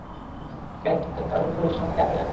সেখানে একটি কক্ষে চার ঘণ্টারও বেশি সময় তাকে আটকে রাখা হয়।